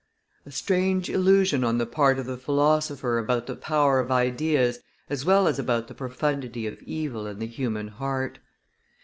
A strange illusion on the part of the philosopher about the power of ideas as well as about the profundity of evil in the human heart!